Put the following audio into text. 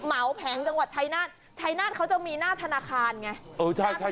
เหมาแผงจังหวัดชายนาฏชายนาฏเขาจะมีหน้าธนาคารไง